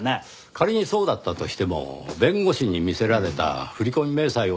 仮にそうだったとしても弁護士に見せられた振込明細を素直に信じますかねぇ？